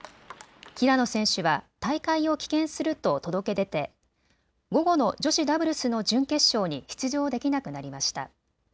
平野選手は大会を棄権すると届け出て午後の女子ダブルスの準決勝に出場できなくなりました。